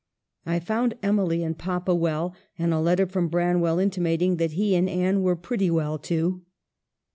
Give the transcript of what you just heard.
I found Emily and papa well, and a letter from Branwell inti mating that he and Anne are pretty well too.